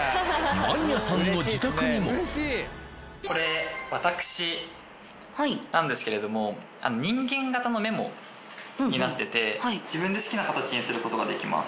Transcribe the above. これワタク紙なんですけれどもあの人間形のメモになっててうんうんはいにすることができます